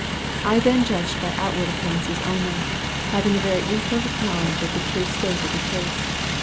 I then judged by outward appearances only having a very imperfect knowledge of the true state of the case.